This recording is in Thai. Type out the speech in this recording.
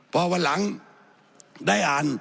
พอวันหลังได้อ่าน